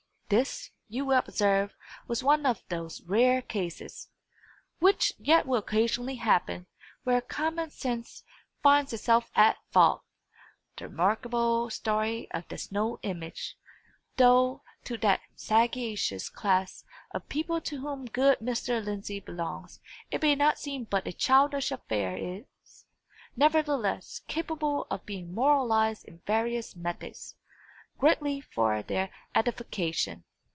This, you will observe, was one of those rare cases, which yet will occasionally happen, where common sense finds itself at fault. The remarkable story of the snow image, though to that sagacious class of people to whom good Mr. Lindsey belongs it may seem but a childish affair, is, nevertheless, capable of being moralised in various methods, greatly for their edification.